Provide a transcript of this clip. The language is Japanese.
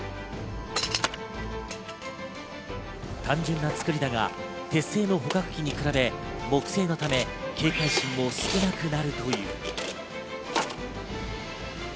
単純な作りだが鉄製の捕獲器に比べ、木製のため警戒心も少なくなるという。